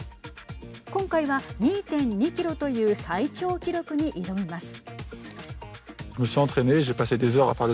今回は２．２キロという最長記録に挑みます。